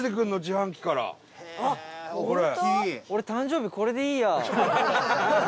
八乙女：俺、誕生日これでいいや！